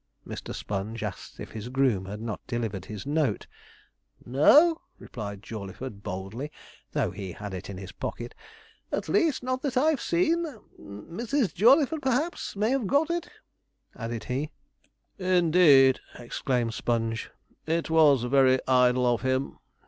Mr. Sponge asked if his groom had not delivered his note. 'No,' replied Jawleyford boldly, though he had it in his pocket; 'at least, not that I've seen. Mrs. Jawleyford, perhaps, may have got it,' added he. 'Indeed!' exclaimed Sponge; 'it was very idle of him.'